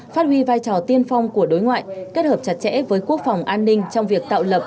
phát huy vai trò tiên phong của đối ngoại kết hợp chặt chẽ với quốc phòng an ninh trong việc tạo lập